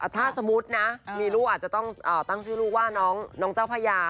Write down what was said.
ถ้าสมมุตินะมีลูกอาจจะต้องตั้งชื่อลูกว่าน้องเจ้าพญา